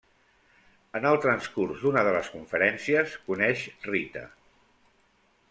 En el transcurs d'una de les conferències, coneix Rita.